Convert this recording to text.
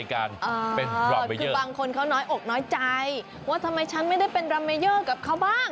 คือบางคนเขาน้อยอกน้อยใจว่าทำไมฉันไม่ได้เป็นรัมเมเยอร์กับเขาบ้าง